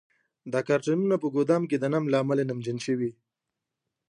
دا کارتنونه په ګدام کې د نم له امله نمجن شوي.